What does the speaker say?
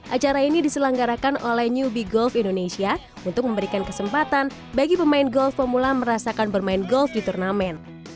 acara ini diselenggarakan oleh newbie golf indonesia untuk memberikan kesempatan bagi pemain golf pemula merasakan bermain golf di turnamen